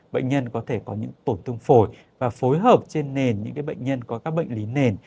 bệnh nhân có thể có những tổn thương phổi và phối hợp trên nền những bệnh nhân có các bệnh lý nền